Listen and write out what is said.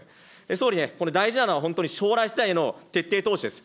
総理ね、大事なのは、本当に将来世代への徹底投資です。